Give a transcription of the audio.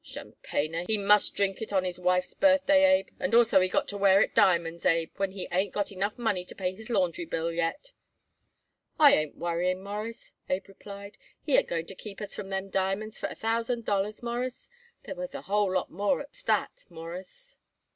Tchampanyer he must drink it on his wife's birthday, Abe, and also he got to wear it diamonds, Abe, when he ain't got enough money to pay his laundry bill yet." "I ain't worrying, Mawruss," Abe replied. "He ain't going to let us keep them diamonds for a thousand dollars, Mawruss. They're worth a whole lot more as that, Mawruss."